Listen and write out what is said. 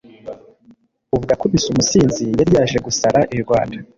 Ubwo akubise umusinzi yari yaje gusara i Rwanda.